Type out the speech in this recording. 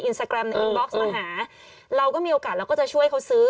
แกรมในอินบ็อกซ์มาหาเราก็มีโอกาสเราก็จะช่วยเขาซื้อ